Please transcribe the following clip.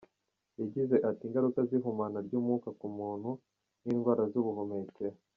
Yagize ati “Ingaruka z’ihumana ry’umwuka ku muntu ni indwara z’ubuhumekero.